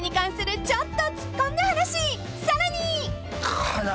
［さらに！］